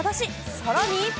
さらに。